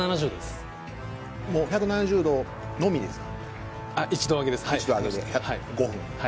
もう１７０℃のみですか？